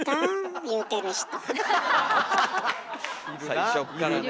最初っからね。